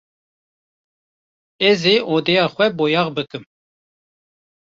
Ez ê odeya xwe boyax bikim.